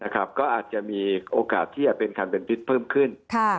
ก็อาจจะมีโอกาสที่จะเป็นคันเป็นพิษเพิ่มขึ้น